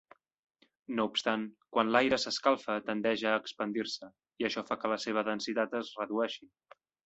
No obstant, quan l'aire s'escalfa tendeix a expandir-se, i això fa que la seva densitat es redueixi.